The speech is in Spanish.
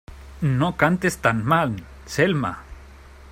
¡No cantes tan mal, Selma!